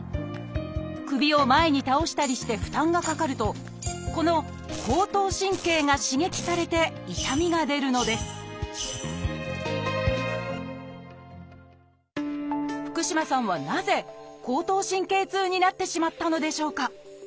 首を前に倒したりして負担がかかるとこの後頭神経が刺激されて痛みが出るのです福嶋さんはなぜ後頭神経痛になってしまったのでしょうか？